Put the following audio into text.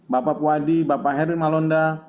bapak puadi bapak heru malonda